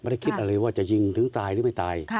คิดอะไรว่าจะยิงถึงตายหรือไม่ตาย